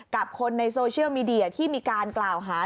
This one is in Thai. กับคนในโซเชียลมีเดียที่มีการกล่าวหา